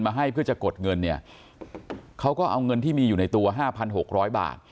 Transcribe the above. ให้เพื่อจะกดเงินเนี่ยเขาก็เอาเงินที่มีอยู่ในตัว๕๖๐๐บาท